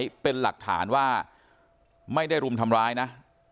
เป็นหลักฐานว่าไม่ได้รุมทำร้ายนะ